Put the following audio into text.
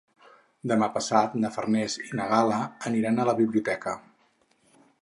Demà passat na Farners i na Gal·la aniran a la biblioteca.